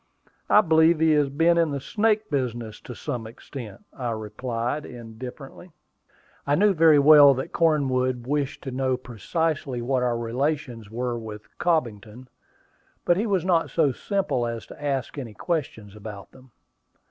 I believe he has been in the snake business to some extent," I replied, indifferently. I knew very well that Cornwood wished to know precisely what our relations were with Cobbington; but he was not so simple as to ask any questions about them.